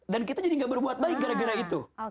dan kita jadi gak berbuat baik gara gara itu